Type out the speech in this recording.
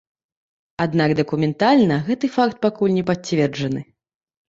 Аднак дакументальна гэты факт пакуль не пацверджаны.